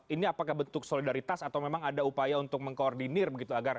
ini apakah bentuk solidaritas atau memang ada upaya untuk mengkoordinir begitu